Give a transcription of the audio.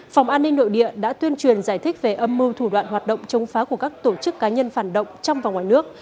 phòng an ninh nội địa đã tuyên truyền giải thích về âm mưu thủ đoạn hoạt động chống phá của các tổ chức cá nhân phản động trong và ngoài nước